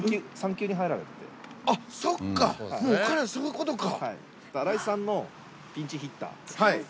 あっそっかもうそういうことか。